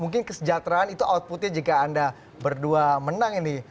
mungkin kesejahteraan itu outputnya jika anda berdua menang ini